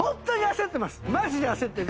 マジで焦ってる！